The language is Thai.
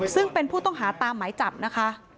ซึ่งเป็นผู้ต้องหาตามหมายจับนะคะ